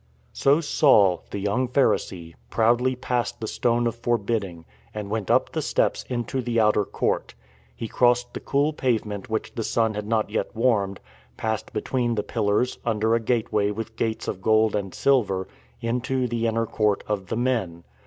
So Saul, the young Pharisee, proudly passed the stone of forbidding, and went up the steps into the outer court. He crossed the cool pavement which the sun had not yet warmed, passed between the pillars, under a gateway with gates of gold and silver, into the inner court of the men.